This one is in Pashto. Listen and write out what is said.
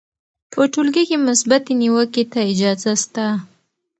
په ټولګي کې مثبتې نیوکې ته اجازه سته.